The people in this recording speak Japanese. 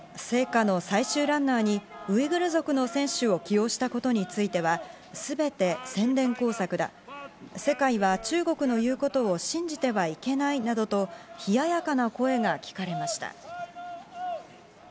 聖火の最終ランナーにウイグル族の選手を起用したことについては、全て宣伝工作だ、世界は中国の言うことを信じてはいけないなどと、冷ややかな声が聞かれました。